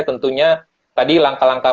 tentunya tadi langkah langkah